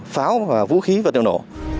pháo và vũ khí vật liệu nổ